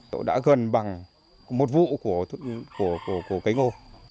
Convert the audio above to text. tôi đã gần bằng một vụ của cây ngô